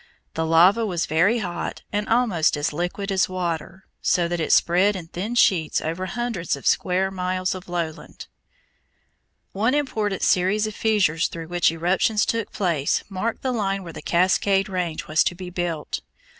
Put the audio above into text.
The lava was very hot and almost as liquid as water, so that it spread in thin sheets over hundreds of square miles of lowland. One important series of fissures through which eruptions took place marked the line where the Cascade Range was to be built.